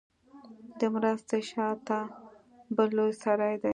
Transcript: د مدرسې شا ته بل لوى سراى دى.